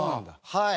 はい。